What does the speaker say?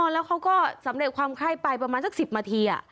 แล้วเขาก็สำเร็จความไข้ไปประมาณสัก๑๐นาที